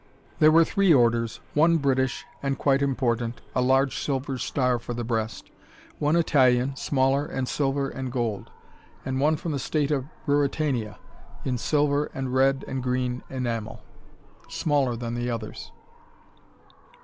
There were three orders: one British, and quite important, a large silver star for the breast: one Italian, smaller, and silver and gold; and one from the State of Ruritania, in silver and red and green enamel, smaller than the others.